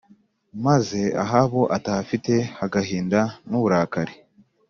Maze Ahabu ataha afite agahinda n’uburakari